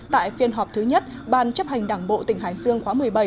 tại phiên họp thứ nhất ban chấp hành đảng bộ tỉnh hải dương khóa một mươi bảy